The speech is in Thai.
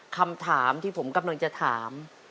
คำถามที่ผมกำลังจะถาม